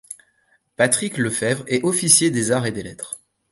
Patrick Lefèvre est Officier des Arts et des Lettres.